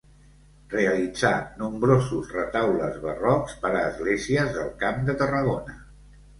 Realitzà nombrosos retaules barrocs per a esglésies del Camp de Tarragona.